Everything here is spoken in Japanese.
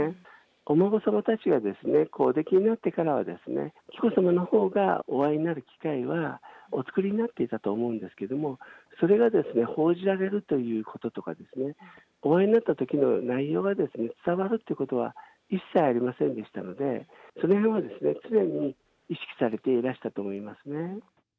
お孫さまたちがおできになってからは、紀子さまのほうがお会いになる機会はお作りになっていたと思うんですけど、それが報じられるということとかですね、お会いになったときの内容が伝わるということは、一切ありませんでしたので、そのへんは常に意識されていらしたと思いますね。